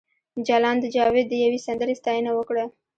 جلان د جاوید د یوې سندرې ستاینه وکړه